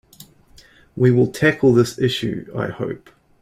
We will tackle this issue, I hope.